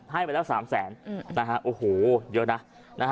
ให้ไปแล้ว๓แสนนะฮะโอ้โหเยอะนะ